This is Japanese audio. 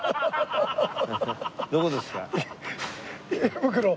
どこですか？